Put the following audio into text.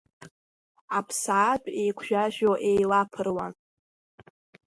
Аԥсаатәқәа игәжәажәо еилаԥыруан.